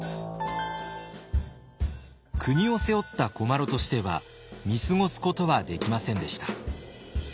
国を背負った古麻呂としては見過ごすことはできませんでした。